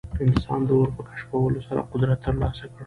انسان د اور په کشفولو سره قدرت ترلاسه کړ.